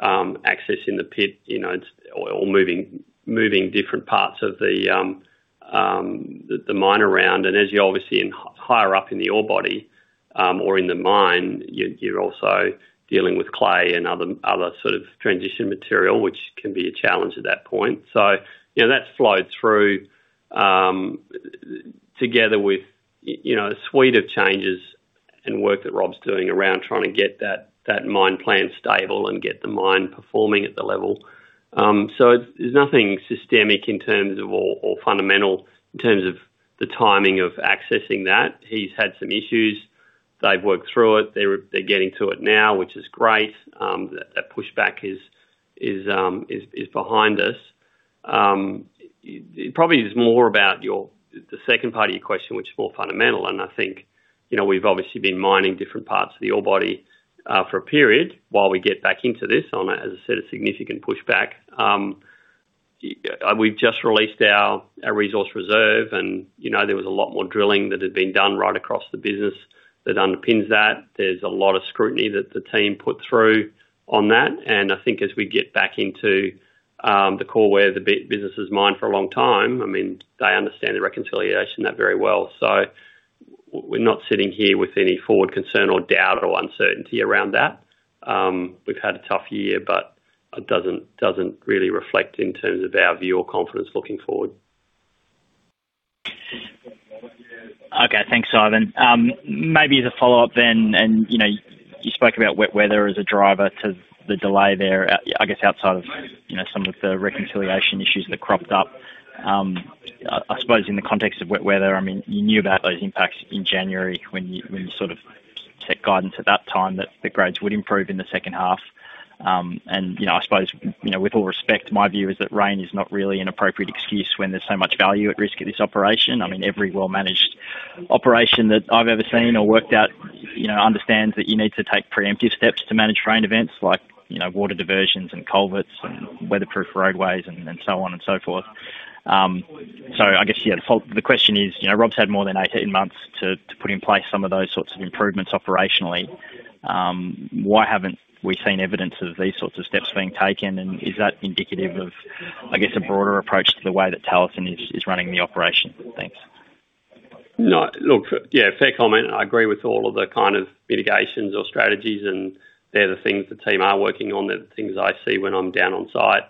accessing the pit, or moving different parts of the mine around. As you're obviously higher up in the ore body, or in the mine, you're also dealing with clay and other sort of transition material, which can be a challenge at that point. That's flowed through, together with a suite of changes and work that Rob's doing around trying to get that mine plan stable and get the mine performing at the level. There's nothing systemic in terms of, or fundamental, in terms of the timing of accessing that. He's had some issues. They've worked through it. They're getting to it now, which is great, that pushback is behind us. It probably is more about the second part of your question, which is more fundamental. I think, we've obviously been mining different parts of the ore body for a period while we get back into this on, as I said, a significant pushback. We've just released our resource reserve and there was a lot more drilling that had been done right across the business that underpins that. There's a lot of scrutiny that the team put through on that. I think as we get back into the core where the business is mined for a long time, I mean, they understand the reconciliation of that very well. We're not sitting here with any forward concern or doubt or uncertainty around that. We've had a tough year, but it doesn't really reflect in terms of our view or confidence looking forward. Okay. Thanks, Ivan. Maybe as a follow-up then, and you spoke about wet weather as a driver to the delay there, I guess outside of some of the reconciliation issues that cropped up. I suppose in the context of wet weather, you knew about those impacts in January when you set guidance at that time that the grades would improve in the second half. I suppose, with all respect, my view is that rain is not really an appropriate excuse when there's so much value at risk at this operation. Every well-managed operation that I've ever seen or worked at understands that you need to take preemptive steps to manage rain events like water diversions and culverts and weatherproof roadways and so on and so forth. I guess, yeah, the question is, Rob's had more than 18 months to put in place some of those sorts of improvements operationally. Why haven't we seen evidence of these sorts of steps being taken? Is that indicative of, I guess, a broader approach to the way that Talison is running the operation? Thanks. No. Look, yeah, fair comment. I agree with all of the kind of mitigations or strategies, and they're the things the team are working on. They're the things I see when I'm down on site.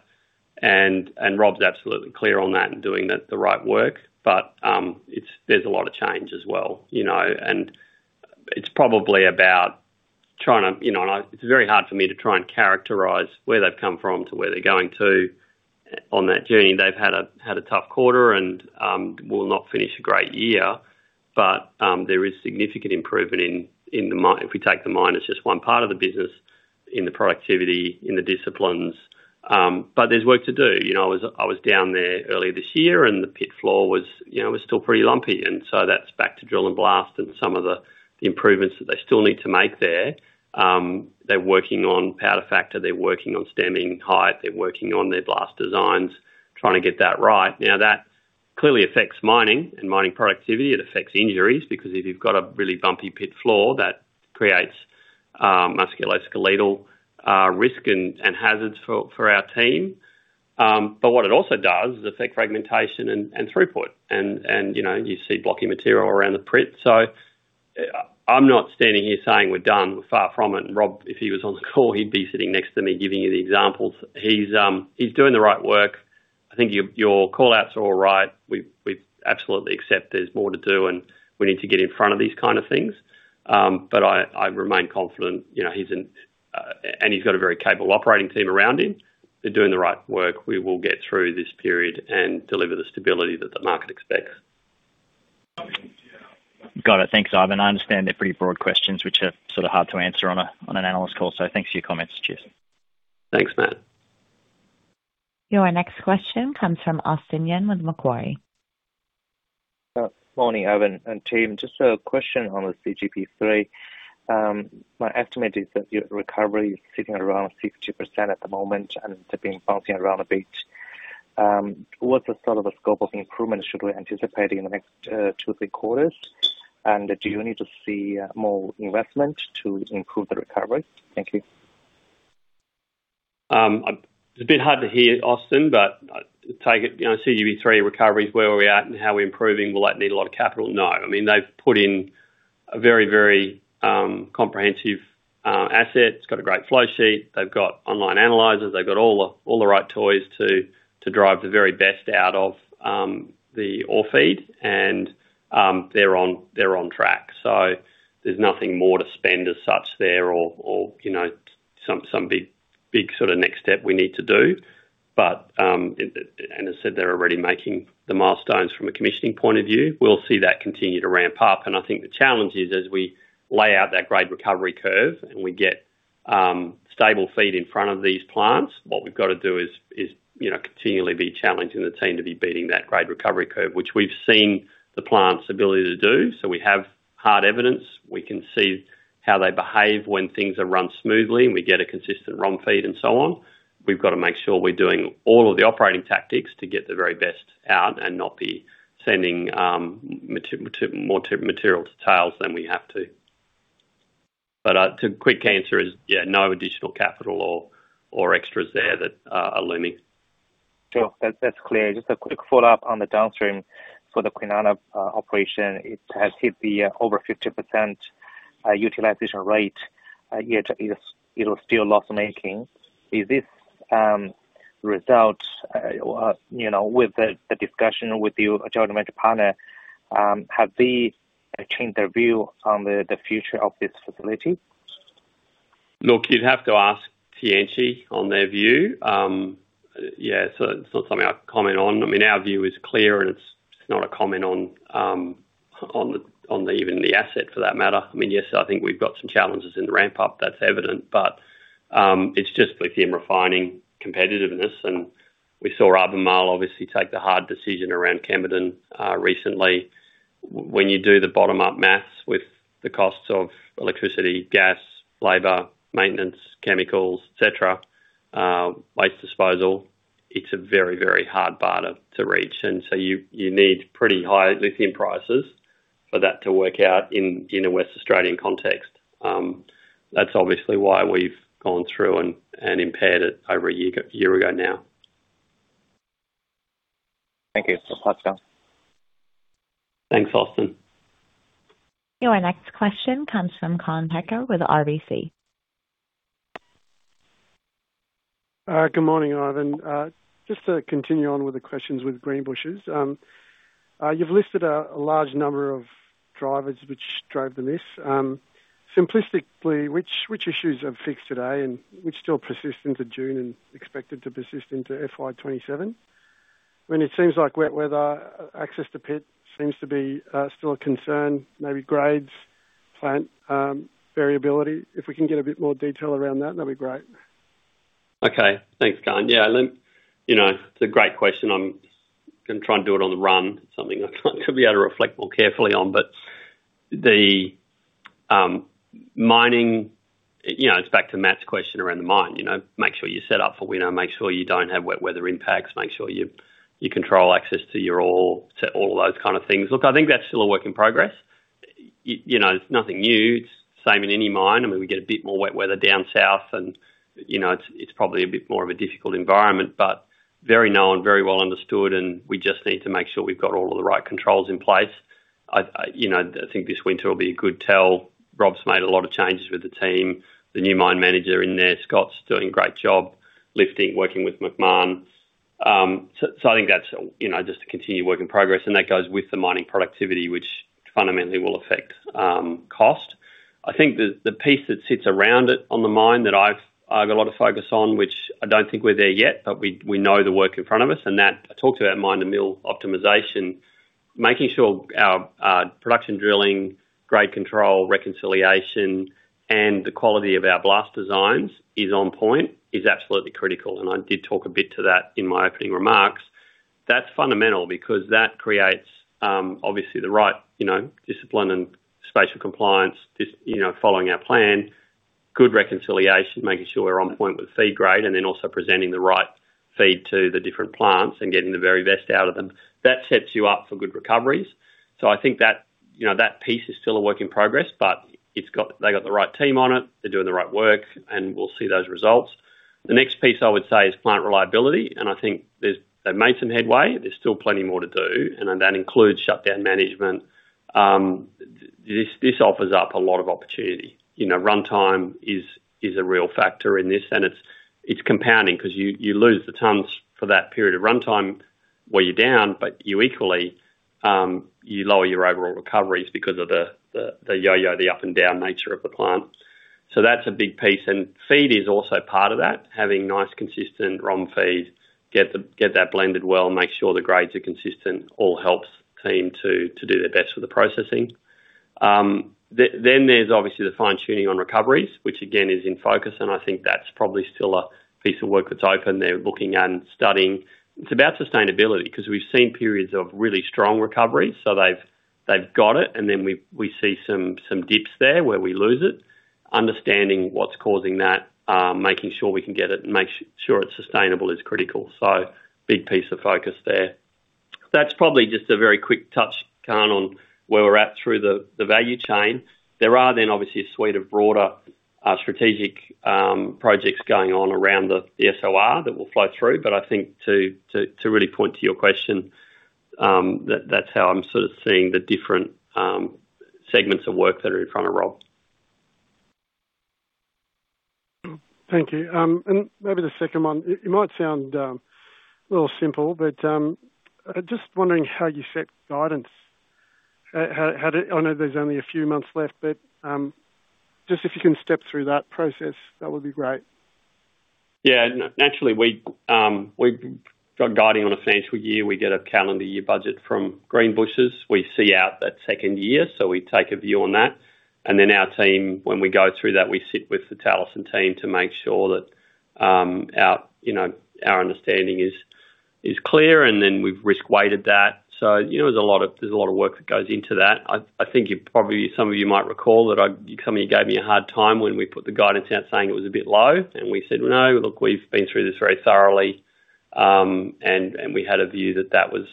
Rob's absolutely clear on that and doing the right work. There's a lot of change as well. It's probably about trying, you know, it's very hard for me to try and characterize where they've come from to where they're going to on that journey. They've had a tough quarter and will not finish a great year, but there is significant improvement in the mine. If we take the mine as just one part of the business in the productivity, in the disciplines, but there's work to do. I was down there earlier this year, and the pit floor was still pretty lumpy. That's back to drill and blast and some of the improvements that they still need to make there. They're working on powder factor. They're working on stemming height. They're working on their blast designs, trying to get that right. Now, that clearly affects mining and mining productivity. It affects injuries because if you've got a really bumpy pit floor, that creates musculoskeletal risk and hazards for our team. What it also does is affect fragmentation and throughput, and you see blocking material around the pit. I'm not standing here saying we're done. We're far from it. Rob, if he was on the call, he'd be sitting next to me giving you the examples. He's doing the right work. I think your call-outs are all right. We absolutely accept there's more to do, and we need to get in front of these kind of things I remain confident, and he's got a very capable operating team around him. They're doing the right work. We will get through this period and deliver the stability that the market expects Got it. Thanks, Ivan. I understand they're pretty broad questions, which are sort of hard to answer on an analyst call. Thanks for your comments. Cheers. Thanks, Matt. Your next question comes from Austin Yun with Macquarie. Morning, Ivan and team. Just a question on the CGP3. My estimate is that your recovery is sitting around 60% at the moment and it's been bouncing around a bit. What's the sort of scope of improvements should we anticipate in the next two, three quarters? And do you need to see more investment to improve the recovery? Thank you. It's a bit hard to hear, Austin, but take it, you know, CGP3 recovery is where are we at and how are we improving? Will that need a lot of capital? No. They've put in a very, very comprehensive asset. It's got a great flow sheet. They've got online analyzers. They've got all the right toys to drive the very best out of the ore feed. They're on track. There's nothing more to spend as such there or some big sort of next step we need to do. As I said, they're already making the milestones from a commissioning point of view. We'll see that continue to ramp up. I think the challenge is as we lay out that grade recovery curve and we get stable feed in front of these plants, what we've got to do is continually be challenging the team to be beating that grade recovery curve, which we've seen the plant's ability to do. We have hard evidence. We can see how they behave when things are run smoothly, and we get a consistent ore feed and so on. We've got to make sure we're doing all of the operating tactics to get the very best out and not be sending more material to tails than we have to. The quick answer is, yeah, no additional capital or extras there that are looming. Sure. That's clear. Just a quick follow-up on the downstream for the Kwinana operation. It has hit over 50% utilization rate. Yet it'll still be loss-making. Is this a result of, you know, with the discussions with your joint venture partner, have they changed their view on the future of this facility? Look, you'd have to ask Tianqi on their view. Yeah. So it's not something I can comment on. Our view is clear, and it's not a comment on even the asset for that matter. Yes, I think we've got some challenges in the ramp-up, that's evident, but it's just lithium refining competitiveness, and we saw Albemarle obviously take the hard decision around Kemerton recently. When you do the bottom-up math with the costs of electricity, gas, labor, maintenance, chemicals, et cetera, waste disposal, it's a very, very hard bar to reach. You need pretty high lithium prices for that to work out in a Western Australian context. That's obviously why we've gone through and impaired it over a year ago now. Thank you. That's done. Thanks, Austin. Your next question comes from Kaan Peker with RBC. Good morning, Ivan. Just to continue on with the questions with Greenbushes. You've listed a large number of drivers which drove the miss. Simplistically, which issues are fixed today and which still persist into June and expected to persist into FY 2027? It seems like wet weather, access to pit seems to be still a concern, maybe grades, plant variability. If we can get a bit more detail around that'd be great. Okay. Thanks, Kaan. Yeah, it's a great question. I'm going to try and do it on the run. Something I could be able to reflect more carefully on. The mining, it's back to Matt's question around the mine. Make sure you're set up for winter, make sure you don't have wet weather impacts, make sure you control access to your ore, set all those kind of things. Look, I think that's still a work in progress. It's nothing new. It's the same in any mine. We get a bit more wet weather down south, and it's probably a bit more of a difficult environment, but very known, very well-understood, and we just need to make sure we've got all of the right controls in place. I think this winter will be a good tell. Rob's made a lot of changes with the team. The new mine manager in there, Scott's doing a great job lifting, working with Macmahon. I think that's just a continued work in progress, and that goes with the mining productivity, which fundamentally will affect cost. I think the piece that sits around it on the mine that I've got a lot of focus on, which I don't think we're there yet, but we know the work in front of us, and that I talked about mine-to-mill optimization, making sure our production drilling, grade control, reconciliation, and the quality of our blast designs is on point is absolutely critical. I did talk a bit to that in my opening remarks. That's fundamental because that creates, obviously, the right discipline and spatial compliance, following our plan, good reconciliation, making sure we're on point with feed grade, and then also presenting the right feed to the different plants and getting the very best out of them. That sets you up for good recoveries. I think that piece is still a work in progress, but they got the right team on it. They're doing the right work, and we'll see those results. The next piece I would say is plant reliability, and I think they've made some headway. There's still plenty more to do, and that includes shutdown management. This offers up a lot of opportunity. Runtime is a real factor in this, and it's compounding because you lose the tons for that period of runtime where you're down, but you equally lower your overall recoveries because of the yo-yo, the up and down nature of the plant. So that's a big piece. Feed is also part of that. Having nice, consistent ROM feed, get that blended well, make sure the grades are consistent, all helps the team to do their best with the processing. There's obviously the fine-tuning on recoveries, which again is in focus, and I think that's probably still a piece of work that's open. They're looking and studying. It's about sustainability, because we've seen periods of really strong recovery. So they've got it, and then we see some dips there where we lose it. Understanding what's causing that, making sure we can get it, and make sure it's sustainable is critical. Big piece of focus there. That's probably just a very quick touch, Kaan, on where we're at through the value chain. There are then obviously a suite of broader strategic projects going on around the SOR that will flow through. I think to really point to your question, that's how I'm sort of seeing the different segments of work that are in front of Rob. Thank you. Maybe the second one. It might sound a little simple, but just wondering how you set guidance. I know there's only a few months left, but just if you can step through that process, that would be great. Yeah. Naturally, we've got guidance on a financial year. We get a calendar year budget from Greenbushes. We see out that second year, so we take a view on that. Our team, when we go through that, we sit with the Talison team to make sure that our understanding is clear, and then we've risk-weighted that. There's a lot of work that goes into that. I think probably some of you might recall that some of you gave me a hard time when we put the guidance out saying it was a bit low, and we said, "No, look, we've been through this very thoroughly," and we had a view that that was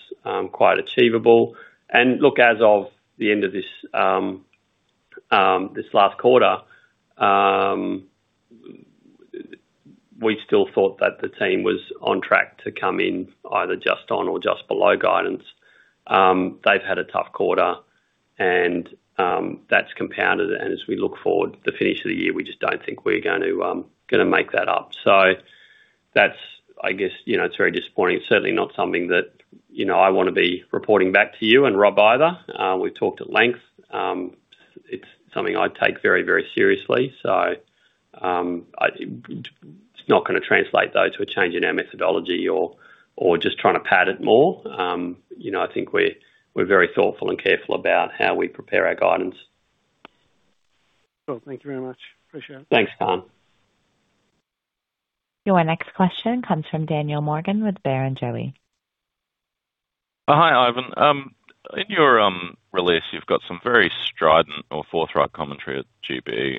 quite achievable. Look, as of the end of this last quarter, we still thought that the team was on track to come in either just on or just below guidance. They've had a tough quarter, and that's compounded, and as we look forward to the finish of the year, we just don't think we're going to make that up. That's, I guess, it's very disappointing. It's certainly not something that I want to be reporting back to you and Rob either. We've talked at length. It's something I take very, very seriously. It's not going to translate, though, to a change in our methodology or just trying to pad it more. I think we're very thoughtful and careful about how we prepare our guidance. Cool. Thank you very much. Appreciate it. Thanks, Kaan. Your next question comes from Daniel Morgan with Barrenjoey. Hi, Ivan. In your release, you've got some very strident or forthright commentary at GB.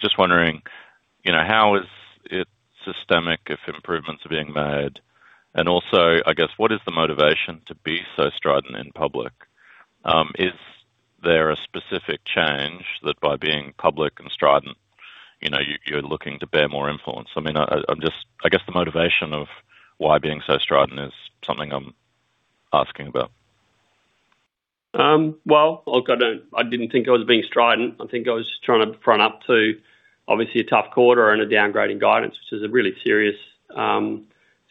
Just wondering, how is it systemic if improvements are being made? Also, I guess, what is the motivation to be so strident in public? Is there a specific change that by being public and strident, you're looking to bear more influence? I guess the motivation of why being so strident is something I'm asking about. Well, look, I didn't think I was being strident. I think I was trying to front up to obviously a tough quarter and a downgrading guidance, which is a really serious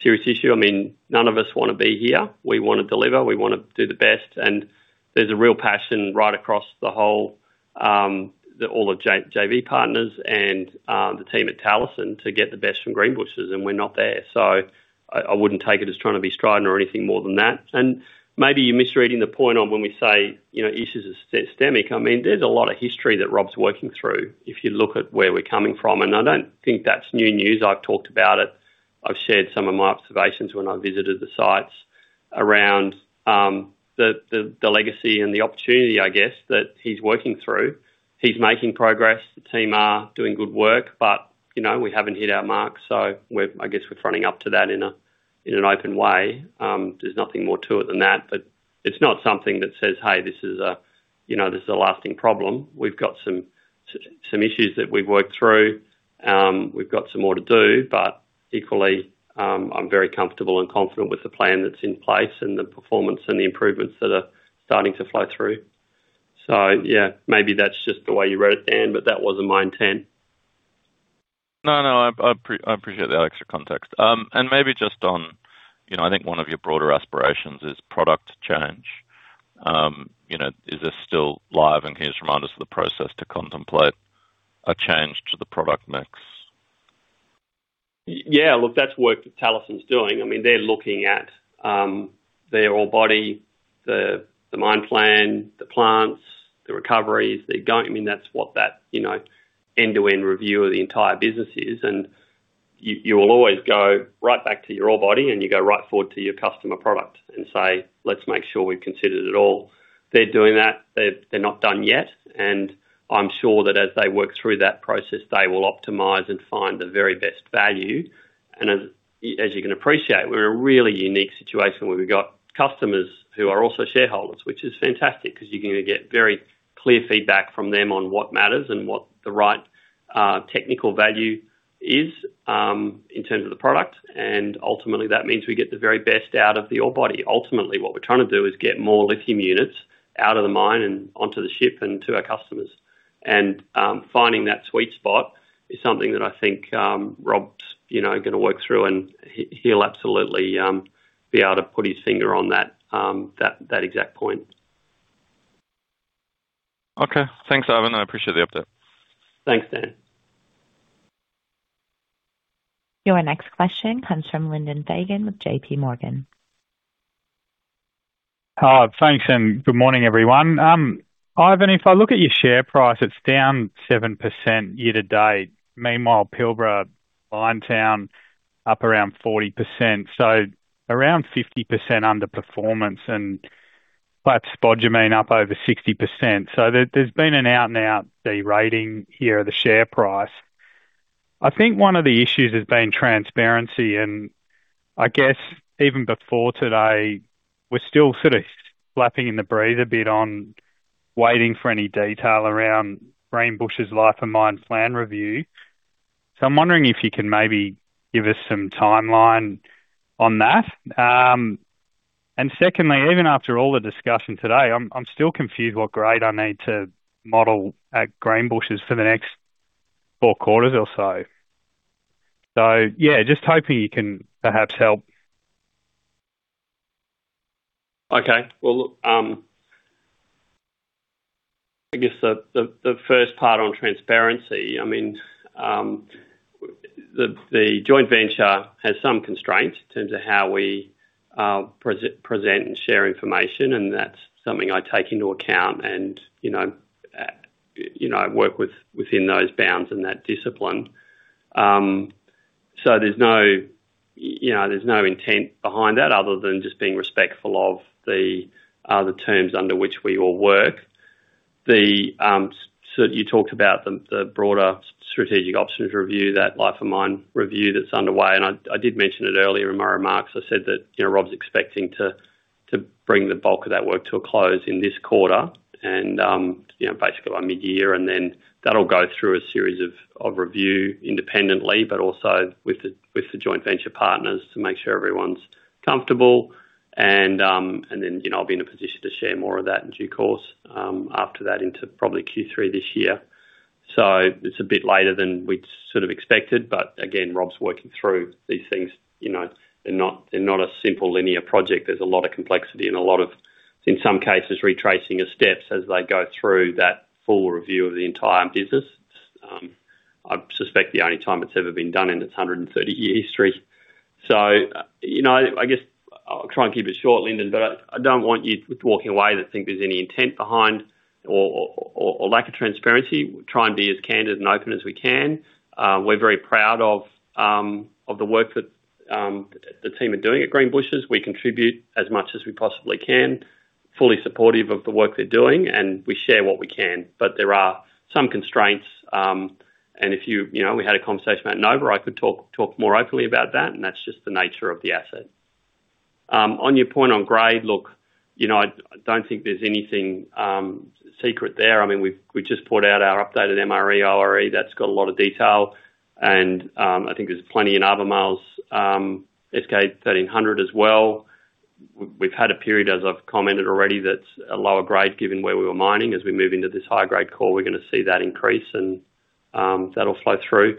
issue. None of us want to be here. We want to deliver, we want to do the best, and there's a real passion right across all of JV partners and the team at Talison to get the best from Greenbushes, and we're not there. I wouldn't take it as trying to be strident or anything more than that. Maybe you're misreading the point on when we say, issues are systemic. There's a lot of history that Rob's working through if you look at where we're coming from, and I don't think that's new news. I've talked about it. I've shared some of my observations when I visited the sites around the legacy and the opportunity, I guess, that he's working through. He's making progress. The team are doing good work, but we haven't hit our mark, so I guess we're fronting up to that in an open way. There's nothing more to it than that, but it's not something that says, "Hey, this is a lasting problem." We've got some issues that we've worked through. We've got some more to do, but equally, I'm very comfortable and confident with the plan that's in place and the performance and the improvements that are starting to flow through. Yeah, maybe that's just the way you read it, Dan, but that wasn't my intent. No, no, I appreciate that extra context. Maybe just on, I think one of your broader aspirations is product change. Is this still live and here's reminders of the process to contemplate a change to the product mix? Yeah, look, that's work that Talison's doing. They're looking at their ore body, the mine plan, the plants, the recoveries. That's what that end-to-end review of the entire business is. You will always go right back to your ore body and you go right forward to your customer product and say, "Let's make sure we've considered it all." They're doing that. They're not done yet. I'm sure that as they work through that process, they will optimize and find the very best value. As you can appreciate, we're in a really unique situation where we've got customers who are also shareholders, which is fantastic because you're going to get very clear feedback from them on what matters and what the right technical value is in terms of the product. Ultimately, that means we get the very best out of the ore body. Ultimately, what we're trying to do is get more lithium units out of the mine and onto the ship and to our customers. Finding that sweet spot is something that I think Rob's gonna work through, and he'll absolutely be able to put his finger on that exact point. Okay. Thanks, Ivan. I appreciate the update. Thanks, Dan. Your next question comes from Lyndon Fagan with JPMorgan. Hi. Thanks, and good morning, everyone. Ivan, if I look at your share price, it's down 7% year-to-date. Meanwhile, Pilbara <audio distortion> up around 40%. Around 50% underperformance, and that's spodumene up over 60%. There's been an out and out de-rating here of the share price. I think one of the issues has been transparency, and I guess even before today, we're still sort of flapping in the breeze a bit on waiting for any detail around Greenbushes' life of mine plan review. I'm wondering if you can maybe give us some timeline on that. Secondly, even after all the discussion today, I'm still confused what grade I need to model at Greenbushes for the next four quarters or so. Yeah, just hoping you can perhaps help. Okay. Well, look, I guess the first part on transparency. I mean, the joint venture has some constraints in terms of how we present and share information, and that's something I take into account and work within those bounds and that discipline. There's no intent behind that other than just being respectful of the other terms under which we all work. You talked about the broader strategic options review, that life of mine review that's underway, and I did mention it earlier in my remarks. I said that Rob's expecting to bring the bulk of that work to a close in this quarter and basically by mid-year. Then that'll go through a series of review independently, but also with the joint venture partners to make sure everyone's comfortable. I'll be in a position to share more of that in due course, after that into probably Q3 this year. It's a bit later than we'd sort of expected, but again, Rob's working through these things. They're not a simple linear project. There's a lot of complexity and a lot of, in some cases, retracing of steps as they go through that full review of the entire business. I suspect the only time it's ever been done in its 130-year history. I guess I'll try and keep it short, Lyndon, but I don't want you walking away to think there's any intent behind or lack of transparency. We'll try and be as candid and open as we can. We're very proud of the work that the team are doing at Greenbushes. We contribute as much as we possibly can. Fully supportive of the work they're doing, and we share what we can. There are some constraints, and if we had a conversation at Nova, I could talk more openly about that, and that's just the nature of the asset. On your point on grade, look, I don't think there's anything secret there. I mean, we just put out our updated MRE, ORE. That's got a lot of detail, and I think there's plenty in our annual S-K 1300 as well. We've had a period, as I've commented already, that's a lower grade given where we were mining. As we move into this high grade core, we're going to see that increase and that'll flow through.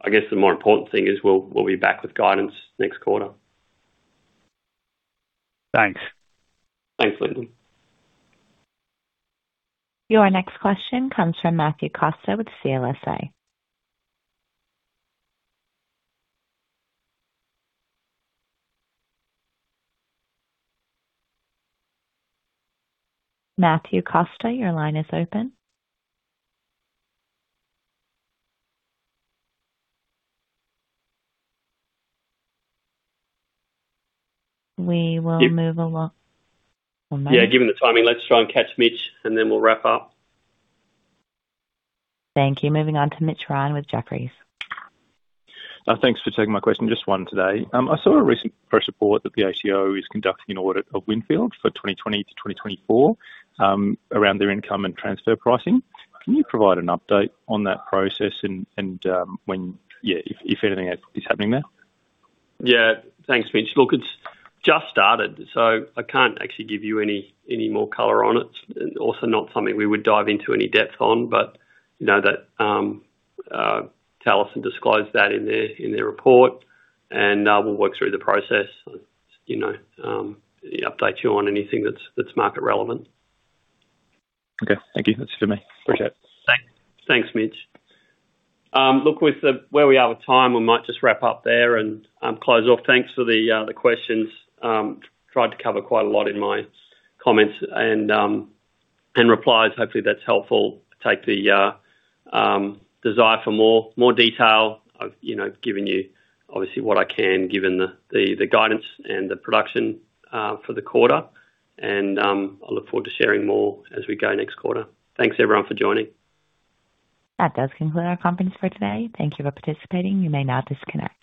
I guess the more important thing is we'll be back with guidance next quarter. Thanks. Thanks, Lyndon. Your next question comes from Matthew Costa with CLSA. Matthew Costa, your line is open. We will move along. Yeah, given the timing, let's try and catch Mitch, and then we'll wrap up. Thank you. Moving on to Mitch Ryan with Jefferies. Thanks for taking my question. Just one today. I saw a recent press report that the ATO is conducting an audit of Windfield for 2020-2024, around their income and transfer pricing. Can you provide an update on that process and if anything is happening there? Yeah. Thanks, Mitch. Look, it's just started, so I can't actually give you any more color on it. Also not something we would dive into any depth on. They'll tell us and disclose that in their report, and we'll work through the process, update you on anything that's market relevant. Okay. Thank you. That's for me. Appreciate it. Thanks, Mitch. Look, with where we are with time, we might just wrap up there and close off. Thanks for the questions. Tried to cover quite a lot in my comments and replies. Hopefully, that's helpful. Take the desire for more detail. I've given you obviously what I can given the guidance and the production for the quarter. I look forward to sharing more as we go next quarter. Thanks, everyone, for joining. That does conclude our conference for today. Thank you for participating. You may now disconnect.